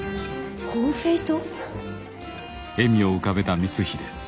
コンフェイト？